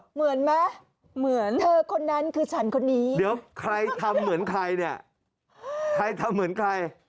เหมือนไหมเหมือนเธอคนนั้นคือฉันคนนี้เดี๋ยวใครทำเหมือนใครเนี่ยใครทำเหมือนใคร